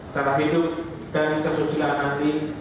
cara hidup dan kesucian ahli